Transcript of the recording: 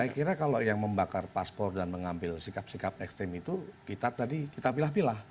saya kira kalau yang membakar paspor dan mengambil sikap sikap ekstrim itu kita pilih pilih